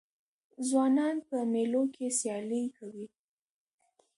ځوانان په مېلو کښي سیالۍ کوي.